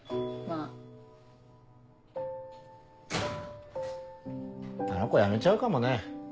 あの子辞めちゃうかもね。